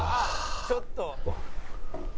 ちょっと。